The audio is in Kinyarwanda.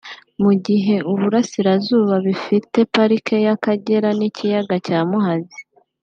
mu gihe Uburasirazuba bifite Pariki y’Akagera n’ikiyaga cya Muhazi